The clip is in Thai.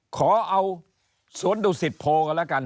ขอเอาสวนดุสิตโพกันแล้วกัน